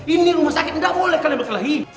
ini rumah sakit gak boleh kalian berkelahi